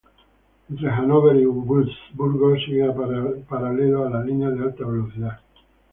Entre Hanover y Wurzburgo sigue paralelo a la línea de alta velocidad.